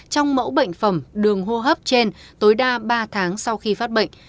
trong mẫu bệnh phẩm đường hô hấp trên tối đa ba tháng sau khi phát bệnh